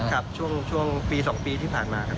ครับช่วงปี๒ปีที่ผ่านมาครับ